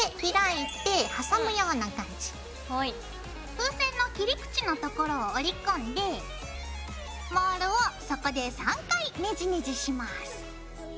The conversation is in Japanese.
風船の切り口のところを折り込んでモールをそこで３回ねじねじします。